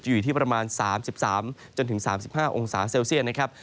อยู่ที่ประมาณ๓๓๕องศาเซลเซียตนะครับ